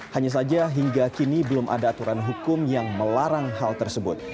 hanya saja hingga kini belum ada aturan hukum yang melarang hal tersebut